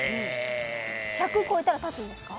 １００超えたら立つんですか？